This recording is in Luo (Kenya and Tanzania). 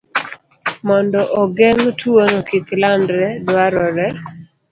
Mondo ogeng' tuwono kik landre, dwarore